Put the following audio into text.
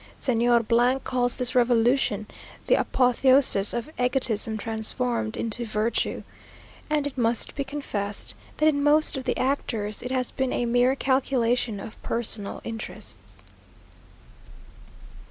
Señor calls this revolution "the apotheosis of egotism transformed into virtue;" and it must be confessed, that in most of the actors, it has been a mere calculation of personal interests.